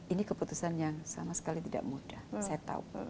ini keputusan yang sama sekali tidak mudah saya tahu